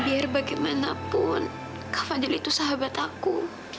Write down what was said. biar bagaimanapun kak fadil itu sahabat aku